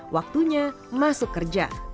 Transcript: waktunya masuk kerja